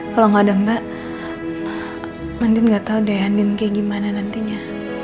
kalau gak ada mbak andin gak tau deh andin kayak gimana nantinya